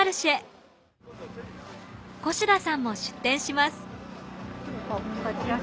越田さんも出店します。